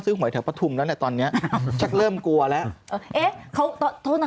ซื้อหวยถือประทุมแล้วเนี่ยตอนนี้เริ่มกลัวแล้วเขาโทษนะ